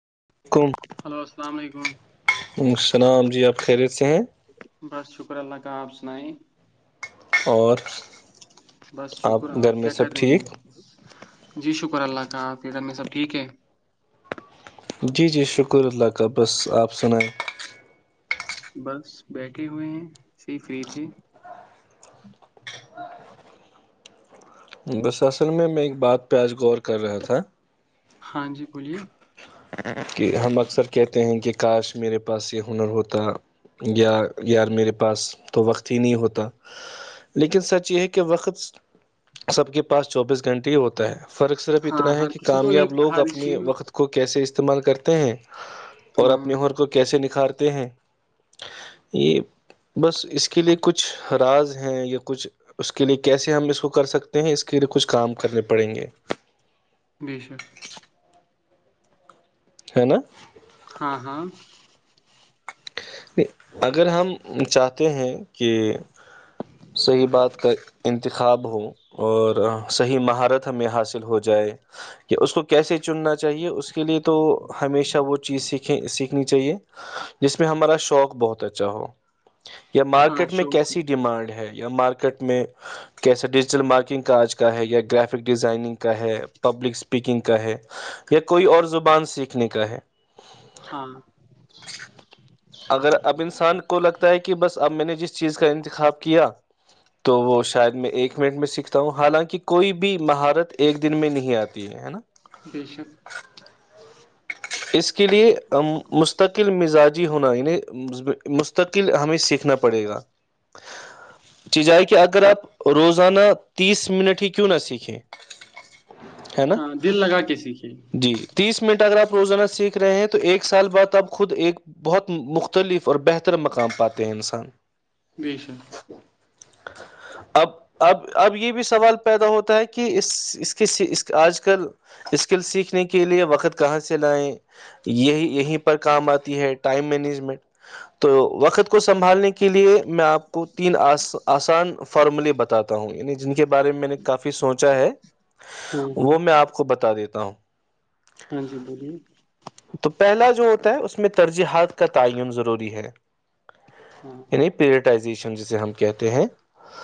وعلیکم ہلو السلام علیکم السلام جی آپ خیریت سے ہیں بس شکر اللہ کا آپ سائی اور بس شکر گھر آپ میں کیا کر سب رہے ٹھیک ہیں جی شکر اللہ کااں آپ کے گھر میں سب ٹھیک ہے جی جی شکر اللہ کا بس اپ سنائیں بس بیٹھے ہوئے ہیں سے فری تے ج [unintelligible] در اصل میں میں ایک بات پہ آج غور کر رہا تھا ہاں جی بولیے کہ ہم اکثر کہتے ہیں کہ کاش میرے پاس یہ ہنر ہوتا یا یار میرے پاس تو وقت ہی نہیں ہوتا لیکن سچ یہ ہے کہ وقت سب کے پاس چوبیس گھنٹے ہی ہوتا ہے فرق صرف ہاں اتنا ہے ہر کہ کسی تو کامیاب ایک لوگ ہر اپنے کی وقت کو کیسے استعمال کرتے ہیں اور ہاں اپنی اورر کو کیسے نکل سکھارتے ہیں یہ بس اس کے لیے کچھ راز ہیں یا کچھ اس کے لیے کیسے ہم اس کو کر سکتے ہیں اس کے لیے کچھ کام کرنے پڑیں گے بے شک ہے نا ہاں ہاں اگر ہم چاہتے ہیں کہ صحیح بات کا انتخاب ہو اور صحیح مہارت ہمیں حاصل ہو جائے کہ اس کو کیسے چننا چاہیے اس کے لئے تو ہمیشہ وہ چیز سیکھیں سیکھنی چاہیے جس میں ہمارا شوق بہت اچھا ہو یا ہاں مارکیٹ میں شوق ہو کیسی ڈیمانڈ ہے یا مارکیٹ میں کیسے ڈیجیٹل مارکنگ کا آج کا ہے یا گرافک ڈیزائننگ کا ہے پبلک اسپیکنگ کا ہے یا کوئی اور زبان سیکھنے کا ہے ہاں اگر اب انسان کو لگتا ہے کہ بس اب میں نے جس چیز کا انتخاب کیا تو وہ شاید میں ایک منٹ میں سیکھتا ہوں حالانکہ کوئی بھی مہارت ایک دن میں نہیں آتی ہے نا بے شک اس کے لیے مستقل مزاجی ہونا یعنی مستقل ہمیں سیکھنا پڑے گا چیزائے کہ اگر آپ روزانہ تیس منٹ ہی کیوں نہ سیکھیں ہے نا ہاں دل لگا کے سیکھے جی تیس منٹ اگر آپ روزانہ سیکھ رہے ہیں تو ایک سال بعد آپ خود ایک بہت مختلف اور بہتر مقام پاتے ہیں انسان بے شک اب اب اب یہ بھی سوال پیدا ہوتا ہے کہ اس اس آج کل اسکل سیکھنے کے لیے وقت کہاں سے لائیں یہی یہیں پر کام آتی ہے ٹائم مینجمنٹ تو وقت کو سنبھالنے کے لیے میں آپ کو تین آسان فارملیے بتاتا ہوں یعنی جن کے بارے میں میں نے کافی سوچا ہے ہاں ہاں وہ میں آپ کو بتا دیتا ہ کتاو [unintelligible] ہاں جی بولیے پہلا جو ہوتا ہے اس میں ترجیحات کا تعین ضروری ہے ہاں ان پییرڈ زیشن جسے ہم کہتے ہیں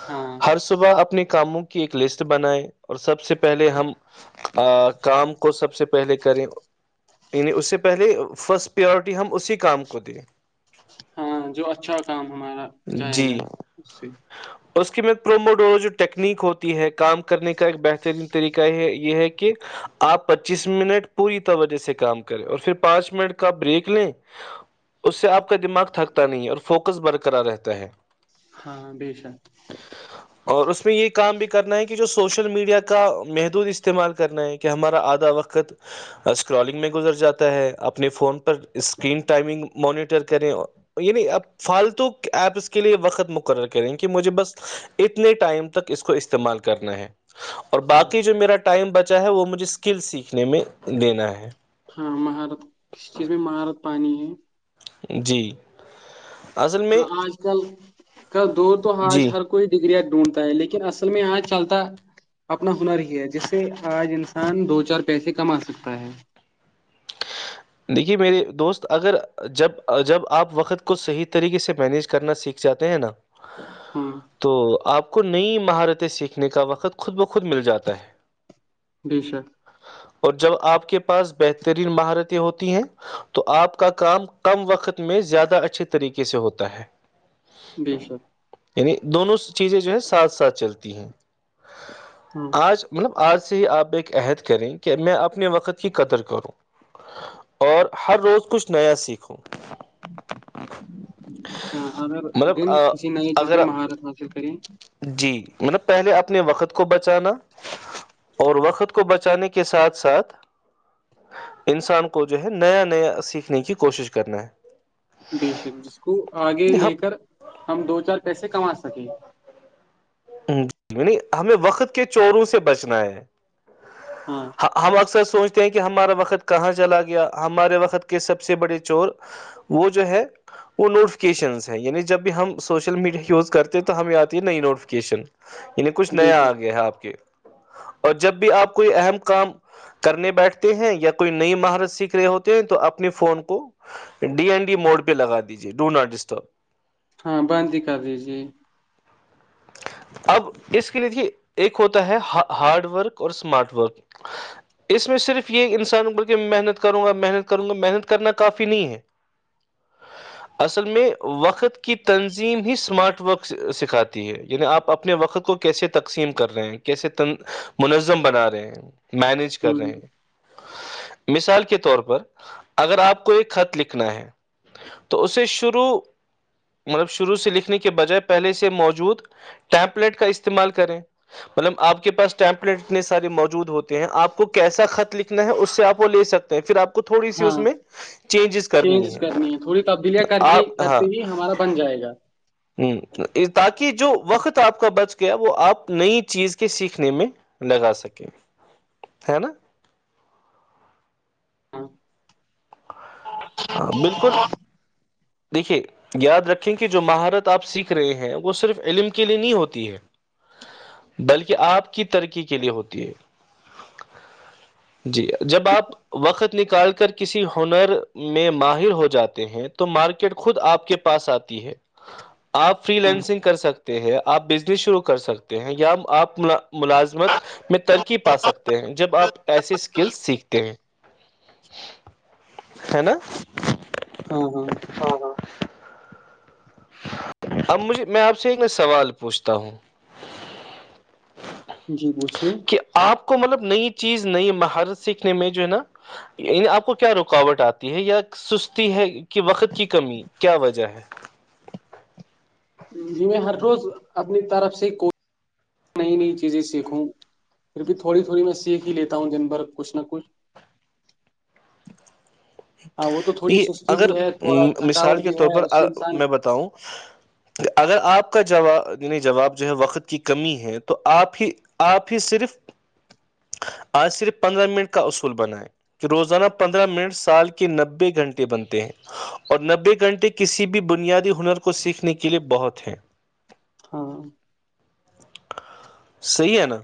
ہاں ہر صبح اپنے کاموں کے ایک لسٹ بنائے اور سب سے پہلے ہم کام کو سب سے کریں یعنی اس سے پہلے فسٹ پیورٹی ہم اسی کام کو دیں ہاں جو اچھا کام ہمارا جائے گا جی اس سے اس کے میں پروموڈو جو ٹیکنیک ہوتی ہے کام کرنے کا ایک بہترین طریقہ ہے یہ ہے کہ آپ پچیس منٹ پوری توجہ سے کام کریں اور پھر پانچ منٹ کا بریک لیں اس سے آپ کا دماغ تھکتا نہیں اور فوکس برک کرا رہتا ہے ہاں بے شک اور اس میں یہ کام بھی کرنا ہے کہ جو سوشل میڈیا کا محدود استعمال کرنا ہے کہ ہمارا آدھا وقت اسکرولنگ میں گزر جاتا ہے اپنے فون پر اسکرین ٹائمنگ مانیٹر کریں یعنی اب فالتو ایپ اس کے لیے وقت مقرر کریں کہ مجھے بس اتنے ٹائم تک اس کو استعمال کرنا ہے اور ہاں باقی جو میرا ٹائم بچ چا ہے وہ مجھے اسکل سیکھنے میں دینا ہے ہاں مہارت کس چیز میں مہارت پانی ہے جی اصل میں ہاں آج کل ک دور تو آج جی ہر کوئی ڈگریا ڈھونڈتا ہے لیکن ا ال میں آج چلتا اپنا ہنر ہی ہے جس سے آج انسان دو چار پیسے کما سکتا ہے دیکھیے میرے دوست اگر جب جب آپ وقت کو صحیح طریقے سے مینج کرنا سیکھ جاتے ہیں نا ہاں تو آپ کو نئی مہارتیں سیکھنے کا وقت خود بخود مل جاتا ہے بیی سر اور جب آپ کے پاس بہترین مہارت ہوتی ہیں تو آپ کا کام کم وقت میں زیادہ اچھے طریقے سے ہوتا ہے بے شک دونوں چیزیں جو ہیں ساتھ ساتھ چلتی ہیں ہاں آج مطلب آج سے ہی آپ عہد کریں کہ میں اپنے وقت کی قدر کروں اور ہر روز کچھ نیا سیکھوں ہاں اگر مطلب دن کسی نئے چیز پہ اگر مہارت حاصل کریں جی مطلب پہلے اپنے وقت کو بچانا اور وقت کو بچانے کے ساتھ ساتھ انسان کو جو ہے نیا نیا سیکھنے کی کوشش کرنا ہے بےشک جس کو آگے لے ہم کر ہم دو چار پیسے کما سکیں ی ہمیں وقت کے چوروں سے بچنا ہے ہاں ہم اکثر سوچ کہ ہمارا وقت کہاں چلا گیا ہمارے وقت کے سب سے بڑے چور وہ جو ہے وہ نوٹیفکیشن ہے یعنی جب بھی ہم سوشل میڈیا یوز کرتے ہیں تو ہمیں آتی ہے نئی نوٹیف کین یعنی کچھ بے نیا آ شک گیا ہے آپ کے اور جب بھی آپ کوئی اہم کام کرنے بیٹھتے ہیں یا کوئی نئی مہارت سیکھ رہے ہوتے ہیں تو اپنی فون کو ڈی این ڈی موڈ پہ لگا دیجے ڈو ناٹ ڈسٹرب ہاں بند ہی کر دیجیے اب اس کے لیے ایک ہوتا ہے ہارڈ ورک اور اسمارٹ ورک اس میں صرف یہ انسان بلکہ محنت کروں گا محنت کروں گا محنت کرنا کافی نہیں ہے اصل میں وقت کی تنظیم ہی اسمارٹ ورک سکھاتی ہے یعنی آپ اپنے وقت کو کیسے تقسیم کر رہے ہیں کیسے تن منظم بنا رہے ہیں مینج ہ کر رہے ہیں مثال کے طور پر اگر آپ کو ایک خط لکھنا ہے تو اسے شروع مطلب شروع سے لکھنے کے بجائے پہلے سے موجود ٹیمپلیٹ کا استعمال کریں مطلب آپ کے پاس ٹیمپلیٹ اتنے سارے موجود ہوتے ہیں آپ کو کیسا خط لکھنا ہے اس سے آپ وہ لے سکتے ہیں پھر آپ تھوڑی سی ہاں اس میں چینجز کرنی ہے تھوڑی تبدیلیاں کر آپ ہاں کرتے ہی ہمارا بن جائے گا ہ تاکہ جو وقت آپ کا بچ گیا وہ آپ نئی چیز کے سیکھنے میں لگا سکیں ہے نا ہاں ہاں بالکل دیکھیے یاد رکھیں کہ جو مہارت آپ سیکھ رہے ہیں وہ صرف علم کے لیے نہیں ہوتی ہے بلکہ آپ کی ترقی کے لیے ہوتی ہے جی جب آپ وقت نکال کر کسی ہنر میں ماہر ہو جاتے ہیں تو مارکیٹ خود آپ کے پاس آتی ہے آپ فری لینسنگ کر سکتے ہیں آپ بزنس شروع کر سکتے ہیں یا آپ ملازمت میں ترکی پا سکتے ہیں جب آپ ایسے اسکلس سیکھتے ہیں ہے نا ہاں ہاں اب مجھے میں آپ سے ایک ن سوال پوچھتا ہوں جی پوچھیے کہ آپ کو مطلب نئی چیز نئی مہارت سیکھنے میں جو ہے نا یعنی آپ کو کیا رکاوٹ آتی ہے یا سستی ہے کہ وقت کی کمی کیا وجہ ہے جی میں ہر روز اپنی طرف سے کو نئی نئی چیزیں سیکھوں پھر بھی تھوڑی تھوڑی میں سیکھ ہی لیتا ہوں دن بھر کچھ نہ کچھ ہاں وہ تو تھوڑی یہ سستی اگر بھی ہے تھوڑا تھکاوٹ مثال کے بھی طور ہے پر اس سے انسان میں بتاؤں کہ اگر آپ کا جواب جواب جو ہے وقت کی کمی ہے تو آپ آپ ہی صرف آج صرف پندرہ منٹ کا اصول بنیں کہ روزانہ پندرہ منٹ سال کے نبے گھنٹے بنتے ہیں اور نبے گھنٹے کسی بھی بنیادی ہنر کو سیکھنے کے لیئے بہت ہیں ہاں صی ہے نا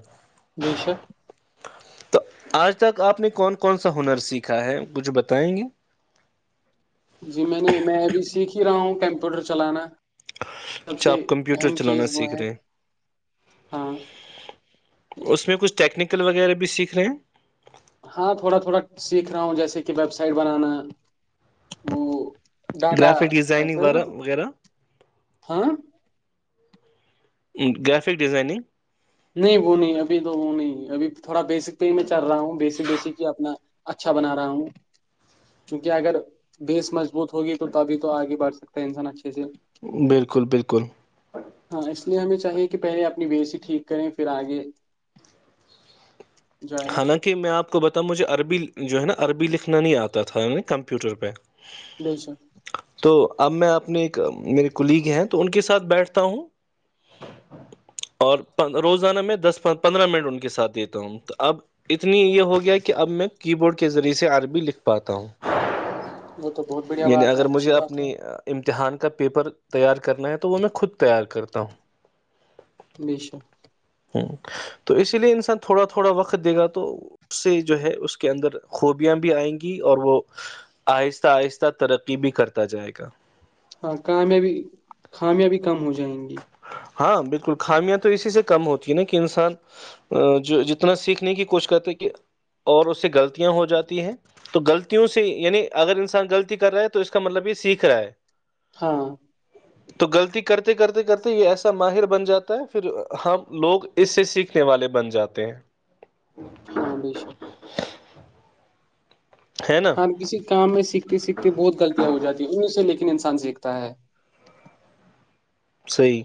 بے شک تو آج تک آپ نے کون کون سا ہنر سیکھا ہے کچھ بتائیں گے جی میں نے میں ابھی سیکھ ہی رہا ہوں کمپیوٹر چلانا سب چا سے آپ کمپیوٹر اہم چلانا چیز وہ سیکھ ہے رہے ہیں ہاں اس میں کچھ ٹیکنیک قتل وغیرہ بھی سیکھ رہے ہیں ہاں تھوڑا تھوڑا سیکھ رہا ہوں جیسے کہ ویب سائٹ بنانا وہ ڈاٹا گرافک ڈیزائننگ ایسا وغیرہ وغیرہ ہاں گریفک ڈیزائننگ نہیں وہ نہیں ابھی تو وہ نہیں ابھی تھوڑا بیسک پہ ہی میں چل رہا ہوں بیسک بیسک ہی اپنا اچھا بنا رہا ہوں کیونکہ اگر بیس مضبوط ہوگی تو تبھی تو آگے بڑھ سکتا ہے انسان اچھا بالکل بالکل ہاں اس لیے ہمیں چاہیے کہہے اپنی بیےسی ٹھیک کریں پھر آگئے [unintelligible] حالانکہ میں آپ کو بتاؤں مجھے عربی جو ہے نا عربی لکھنا نہیں آتا تھا یعنی کمپیوٹر پہ بیشر [unintelligible] تو اب میں اپنے ایک میرے کلیگ ہیں تو ان کے ساتھ بیٹھتا ہوں اور روزانہ میں دس پندرہ منٹ ان کے ساتھ دیتا ہوں اب اتنی یہ ہو گیا کہ اب میں کی بورڈ کے ذریعے سے عربی لکھ پاتا ہوں وہ تو بہت بڑھیا یعنی بات ہے اگر اچھی مجھے بات ہے اپنی امتحان کا پیپر تیار کرنا ہے تو وہ میں خود تیار کرتا ہوں بے شک تو اسی لیے انسان تھوڑا تھوڑا وقت دے گا تو اس سے جو ہے اس کے اندر خوبیاں بھی آئیں گی اور وہ آہستہ آہستہ ترقی بھی کرتا جائے گا ہاں خامیاں خامیاں کم ہو جائیں گی ہاں بالکل خامیاں تو اسی سے کم ہوتی ہے نا کہ انسان جو جتنا سیکھنے کی کوشش کرتے کہ اور اس سے غلطیاں ہو جاتی ہیں تو غلطیوں سے یعنی اگر انسان غلطی کر رہا ہے تو اس کا مطلب یہ سیکھ رہا ہے ہاں تو غلطی کرتے کرتے کرتے یہ ایسا ماہر بن جاتا ہے پھر ہم لوگ اس سے سیکھنے والے بن جاتے ہیں ہا بے شک ہاں [inaudible] ہر کسی کام میں سھا سیکھتی بہت غلطیاں ہو جاتی ہیں ان سے لیکن انسان سیکھتا ہے صحیح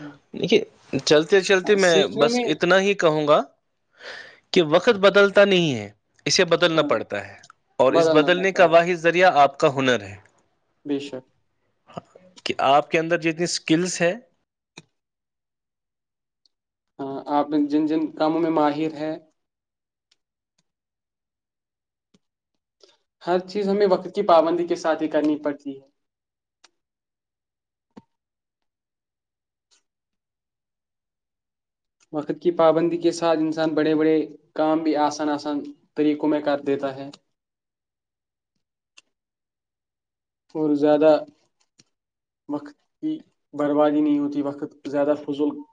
ہاں، چلتے چلتے میں سیکھنے بس میں اتنا ہی کہوں گا کہ وقت بدلتا نہیں ہے اسے بدلنا ہاں پڑتا ہے اور اس بدلنا بدلنے کا پڑتا ہے واحد ذریعہ آپ کو کا ہنر ہے بے شک کہ آپ کے اندر جتنی اسکلس ہیں ہاں آپ نے جن جن کاموں میں ماہر ہے ہر چیز ہمیں وقت کی پابندی کے ساتھ ہی کرنی پڑتی ہے وقت کی پابندی کے ساتھ انسان بڑے بڑے کام بھی آسان آسان طریقوں میں کر دیتا ہے اور زیادہ وقت کی بربادی نہیں ہوتی وقت زیادہ فضل